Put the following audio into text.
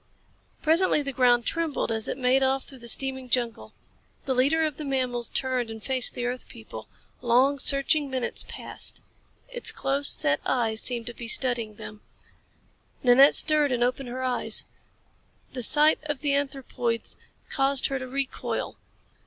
Presently the ground trembled as it made off through the steaming jungle. The leader of the mammals turned and faced the earth people. Long, searching minutes passed. Its close set eyes seemed to be studying them. Nanette stirred and opened her eyes. The sight of the anthropoids caused her to recoil.